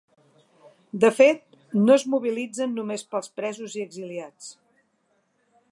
De fet, no es mobilitzen només pels presos i exiliats.